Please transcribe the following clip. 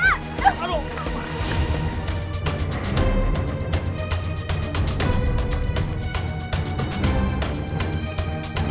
astagfirullahaladzim ya allah